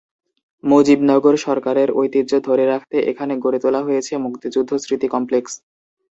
মুজিবনগর সরকারের ঐতিহ্য ধরে রাখতে এখানে গড়ে তোলা হয়েছে মুক্তিযুদ্ধ স্মৃতি কমপ্লেক্স।